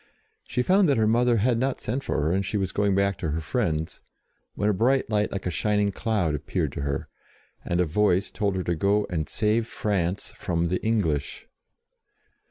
She found that her mother had not sent for her, and she was going back to her friends, when a bright light like a shining cloud 12 JOAN OF ARC appeared to her, and a Voice told her to go and save France from the English.